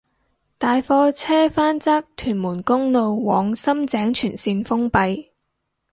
大貨車翻側屯門公路往深井全綫封閉